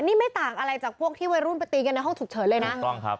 นี่ไม่ต่างอะไรจากพวกที่วัยรุ่นไปตีกันในห้องฉุกเฉินเลยนะถูกต้องครับ